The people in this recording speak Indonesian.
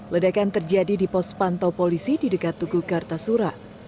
ledakan terjadi di pos pantau polisi di dekat tugu kartasura